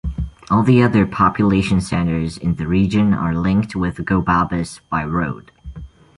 All the other population centres in the region are linked with Gobabis by road.